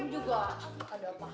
belum juga ada apa apa